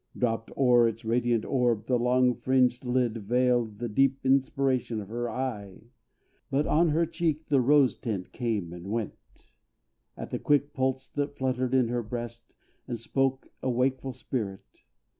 Dropped o'er its radiant orb, the long fringed lid Veiled the deep inspiration of her eye; But on her cheek the rose tint came and went, At the quick pulse that fluttered in her breast, And spoke a wakeful spirit.